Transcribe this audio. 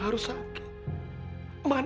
allah tidak pernah membedakan